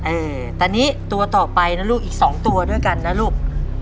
เออแต่นี่ตัวต่อไปนะลูกอีกสองตัวด้วยกันนะลูก